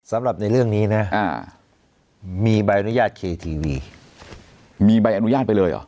สำหรับในเรื่องนี้นะมีใบอนุญาตเคทีวีมีใบอนุญาตไปเลยเหรอ